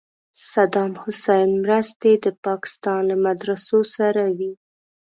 صدام حسین مرستې د پاکستان له مدرسو سره وې.